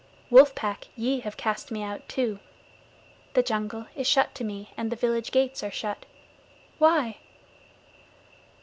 Wolf Pack, ye have cast me out too. The jungle is shut to me and the village gates are shut. Why?